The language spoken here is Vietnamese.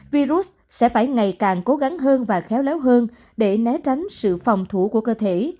virus sẽ phải ngày càng cố gắng hơn và khéo léo hơn để né tránh sự phòng thủ của cơ thể